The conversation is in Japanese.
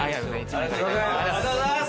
ありがとうございます！